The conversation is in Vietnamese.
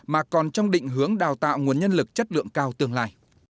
mà còn trong định hướng đào tạo nguồn nhân lực chất lượng cao tương lai